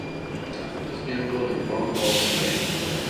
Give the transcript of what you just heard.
Es miembro de "Porn hall of fame".